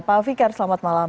pak fikar selamat malam